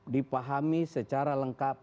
tidak dipahami secara lengkap